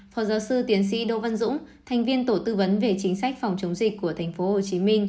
phó giáo sư tiến sĩ đỗ văn dũng thành viên tổ tư vấn về chính sách phòng chống dịch của tp hcm